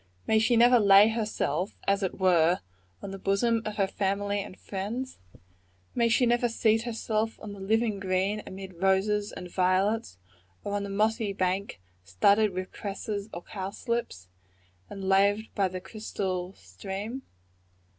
May she never lay herself, as it were, on the bosom of her family and friends? May she never seat herself on the living green, amid roses and violets, or on the mossy bank studded with cresses or cowslips, and laved by the crystal stream?